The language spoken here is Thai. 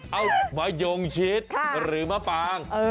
เอามะยงชิดหรือมะปาง